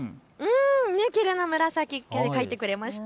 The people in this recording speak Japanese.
きれいな紫、描いてくれました。